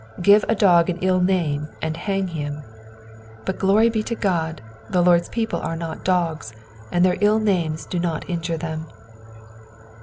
"Give a dog an ill name, and hang him;" but glory be to God, the Lord's people are not dags, nnd their ill names do not injure them.